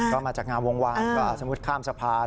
ก็มาจากงามวงวานก็สมมุติข้ามสะพาน